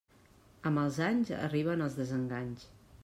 Amb els anys arriben els desenganys.